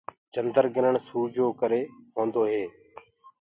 چنڊگِرڻ سوُرجو ڪآ سآيآ ڪي ڪري هوندو هي۔